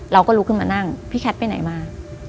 เราก็ลุกขึ้นมานั่งพี่แคทไปไหนมา